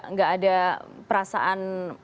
nggak ada perasaan